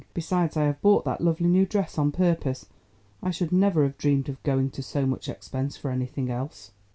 Besides I have bought that lovely new dress on purpose. I should never have dreamed of going to so much expense for anything else."